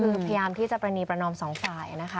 คือพยายามที่จะประนีประนอมสองฝ่ายนะคะ